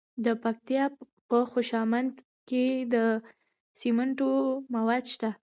د پکتیکا په خوشامند کې د سمنټو مواد شته.